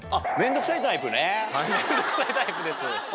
面倒くさいタイプです。